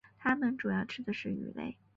它们主要吃鱼类。